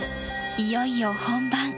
いよいよ本番。